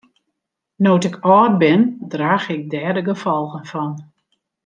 No't ik âld bin draach ik dêr de gefolgen fan.